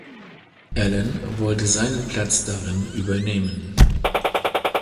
Alan wollte seinen Platz darin übernehmen.